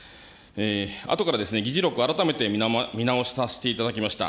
あとから議事録、改めて見直させていただきました。